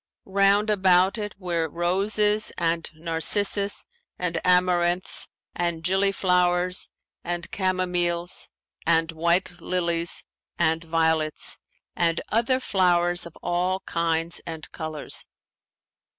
Round about it were roses and narcissus and amaranths and gilly flowers and chamomiles and white lilies and violets, and other flowers of all kinds and colours.